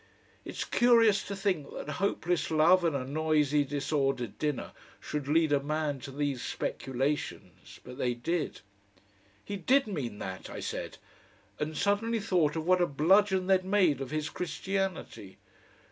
It's curious to think that hopeless love and a noisy disordered dinner should lead a man to these speculations, but they did. "He DID mean that!" I said, and suddenly thought of what a bludgeon they'd made of His Christianity.